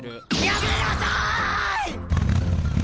やめなさい！